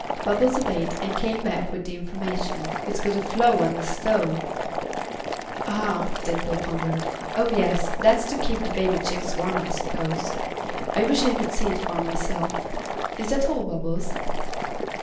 Bubbles obeyed, and came back with the information. "Hit's got a flo' an' a stove." "Ah!" Dimple pondered. "Oh yes, that's to keep the baby chicks warm, I suppose. I wish I could see for myself. Is that all, Bubbles?"